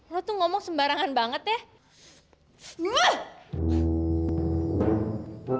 lu tuh ngomong sembarangan banget ya